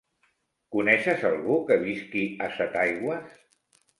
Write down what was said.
Coneixes algú que visqui a Setaigües?